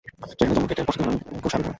সেখানে জঙ্গল কেটে বসতি বানান ঘোষালরা।